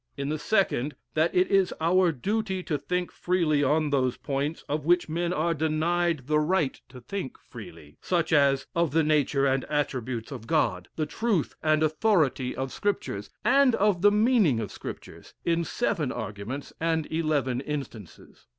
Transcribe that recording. In the 2nd, That it is our duty to think freely on those points of which men are denied the right to think freely: such as of the nature and attributes of God, the truth and authority of Scriptures, and of the meaning of Scriptures, in seven arguments and eleven instances.